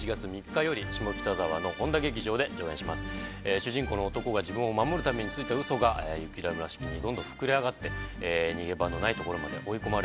主人公の男が自分を守るためについたウソが雪だるま式にどんどん膨れ上がって逃げ場のないところまで追い込まれる。